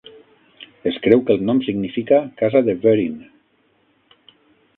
Es creu que el nom significa "Casa de Werin".